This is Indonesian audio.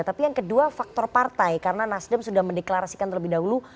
tapi yang kedua faktor partai karena nasdem sudah mendeklarasikan terlebih dahulu